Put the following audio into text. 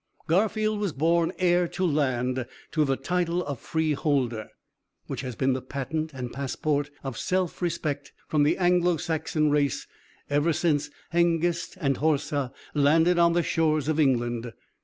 Garfield was born heir to land, to the title of free holder, which has been the patent and passport of self respect with the Anglo Saxon race ever since Hengist and Horsa landed on the shores of England.